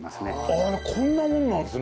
ああこんなもんなんですね。